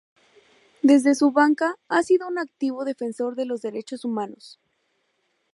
Desde su banca, ha sido un activo defensor de los Derechos Humanos.